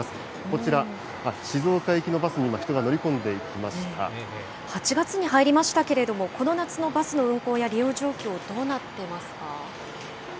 こちら、静岡行きのバスに今、８月に入りましたけれども、この夏のバスの運行や利用状況、どうなってますか。